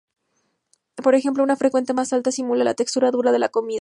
Por ejemplo una frecuencia más alta simula la textura dura de la comida.